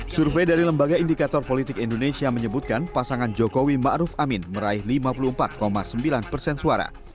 survei dari lembaga indikator politik indonesia menyebutkan pasangan jokowi ⁇ maruf ⁇ amin meraih lima puluh empat sembilan persen suara